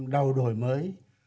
đầu đổi mới